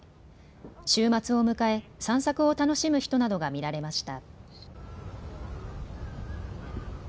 週末を迎え散策を楽しむ人などが見られました。